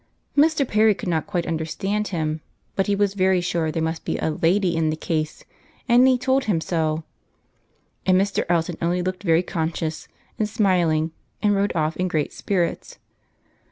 Mr. Perry could not quite understand him, but he was very sure there must be a lady in the case, and he told him so; and Mr. Elton only looked very conscious and smiling, and rode off in great spirits.